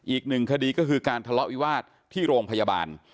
อีกหนึ่งคดีก็คือการทะเลาะวิวาสที่โรงพยาบาล